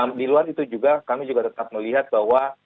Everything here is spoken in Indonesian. dan di luar itu juga kami tetap melihat bahwa